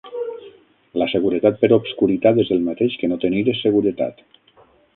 La seguretat per obscuritat és el mateix que no tenir seguretat.